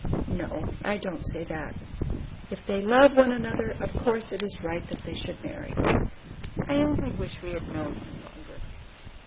"No; I don't say that. If they love one another of course it is right that they should marry. I only wish we had known him longer."